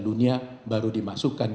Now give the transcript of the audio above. dunia baru dimasukkan